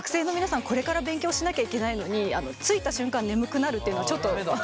これから勉強しなきゃいけないのにあの着いた瞬間眠くなるっていうのはちょっと。